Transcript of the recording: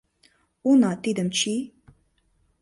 Уна, тидым чий!..